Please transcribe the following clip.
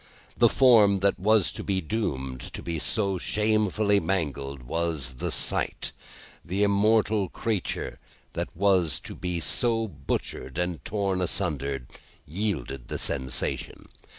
The form that was to be doomed to be so shamefully mangled, was the sight; the immortal creature that was to be so butchered and torn asunder, yielded the sensation.